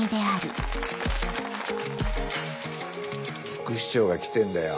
副市長が来てんだよ。